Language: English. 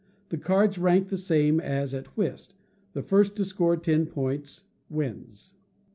The cards rank the same as at whist the first to score ten points, wins.